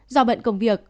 do bận công việc